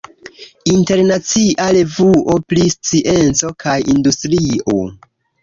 Internacia revuo pri scienco kaj industrio.